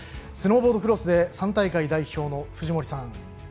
スノーボードクロスで３大会代表の藤森さん。